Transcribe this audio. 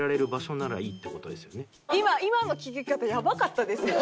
今の聞き方やばかったですよ。